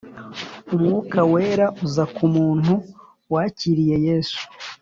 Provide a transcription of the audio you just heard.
Umwuka wera uza ku umuntu wakiriye yesu